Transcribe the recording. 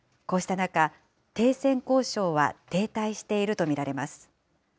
こうした中、停戦交渉は停滞していると見られます。